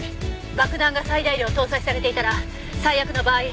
爆弾が最大量搭載されていたら最悪の場合護送車が横転。